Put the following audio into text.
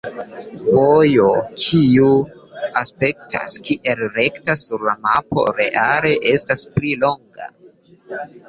Vojo kiu aspektas kiel rekta sur la mapo reale estas pli longa.